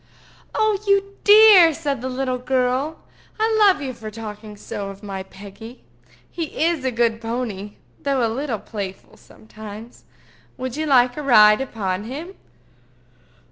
"Oh, you dear!" said the little girl. "I love you for talking so of my Peggy. He is a good pony, though a little playful sometimes. Would you like a ride upon him?"